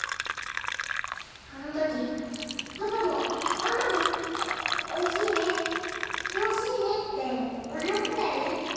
あの時パパもママも「おいしいね楽しいね」って笑ってたよね。